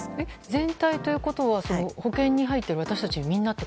全体ということは保険に入っている私たちみんなと。